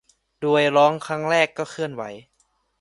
โดยร้องครั้งแรกก็เคลื่อนไหว